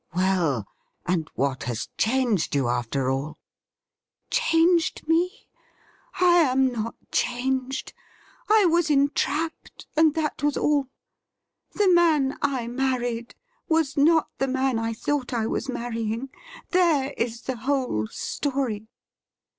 ' Well, and what has changed you, after all T ' Changed me ? I am not changed ! I was entrapped, and that was all. The man I married was not the man I thought I was marrying. There is the whole story.